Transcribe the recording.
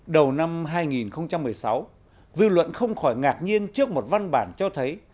đầu năm hai nghìn một mươi sáu dư luận không khỏi ngạc nhiên trước một văn bản cho thấy